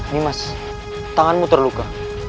nimas tanganmu terluka